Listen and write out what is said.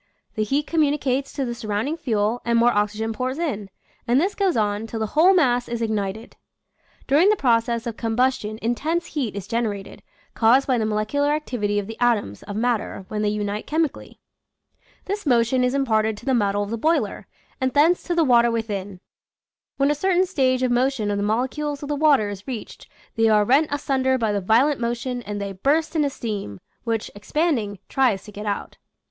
The heat communicates to the surrounding fuel and more oxygen pours in, and this goes on till the whole mass is ignited. During the process of combustion intense heat is generated, caused by the molecular activity of the atoms of matter when they unite chemically. This motion is imparted to the metal of the boiler, and thence to the water within. When a cer tain stage of motion of the molecules of the water is reached they are rent asunder by the violent motion and they burst into steam, which, expanding, tries to get out.